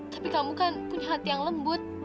tapi kamu kan punya hati yang lembut